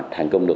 thành công được